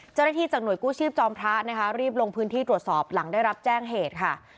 เจ้าหน้าที่จากหน่วยกู้ชีพจอมพระนะคะรีบลงพื้นที่ตรวจสอบหลังได้รับแจ้งเหตุค่ะ